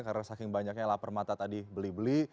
karena saking banyaknya lapar mata tadi beli beli